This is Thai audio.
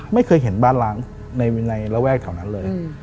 ไม่เคยเห็นบ้านล้างในระแวกแถวนั้นเลย